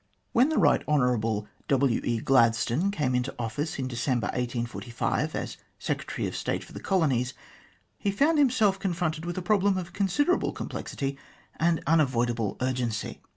When the Eight Hon. W. E. Gladstone came into office in December, 1845, as Secretary of State for the Colonies, he found himself confronted with a problem of considerable complexity and unavoidable urgency.